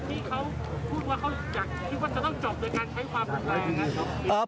ที่เขาพูดว่าเขาอยากคิดว่าจะต้องจบโดยการใช้ความรุนแรงครับ